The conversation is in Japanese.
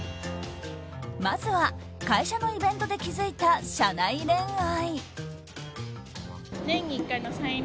まずは会社のイベントで気づいた社内恋愛。